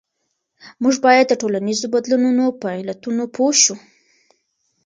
موږ باید د ټولنیزو بدلونونو په علتونو پوه شو.